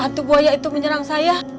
atu buaya itu menyerang saya